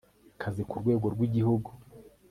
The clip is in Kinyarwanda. kazi ku rwego rw igihugu